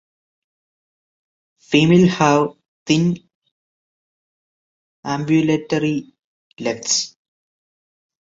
Females have thin ambulatory legs.